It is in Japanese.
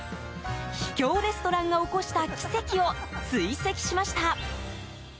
秘境レストランが起こした奇跡を追跡しました。